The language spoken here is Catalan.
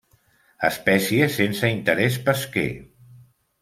Espècie sense interès pesquer.